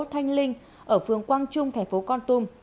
anh đỗ thanh linh ở phường quang trung tp con tum